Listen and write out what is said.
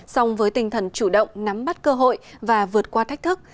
song với tinh thần chủ động nắm bắt cơ hội và vượt qua thách thức